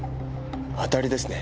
当たりですね。